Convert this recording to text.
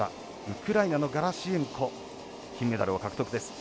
ウクライナのガラシェンコ金メダルを獲得です。